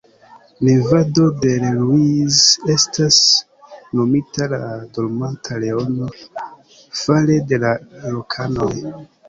Nevado del Ruiz estas nomita la "Dormanta Leono" fare de la lokanoj.